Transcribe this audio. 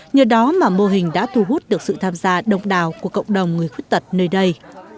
nhờ đó mà mô hình đã thu hút được sự tham gia đông đào của cộng đồng người khuyết tật nơi đây